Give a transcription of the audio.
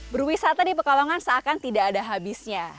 berwisata di pekalongan seakan tidak ada habisnya